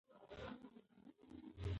هره شپه سهار لري.